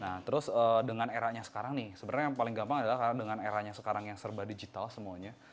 nah terus dengan eranya sekarang nih sebenarnya yang paling gampang adalah karena dengan eranya sekarang yang serba digital semuanya